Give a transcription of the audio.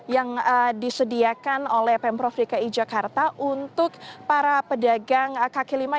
yang disediakan oleh pemprov dki jakarta untuk para pedagang kaki lima